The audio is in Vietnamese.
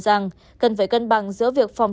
rằng cần phải cân bằng giữa việc phòng